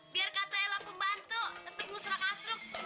biar kata ella pembantu tetep musrah kasruk